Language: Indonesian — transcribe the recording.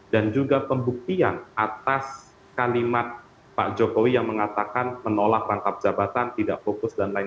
dan juga pembuktian atas kalimat pak jokowi yang mengatakan menolak rangkap jabatan tidak fokus dll